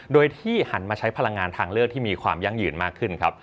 โดยที่หันมาใช้พลังงานทางเลือกที่มีความยั่งยืนมากขึ้นครับ